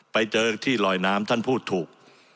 ไปเจอที่ลอยน้ำท่านพูดถูก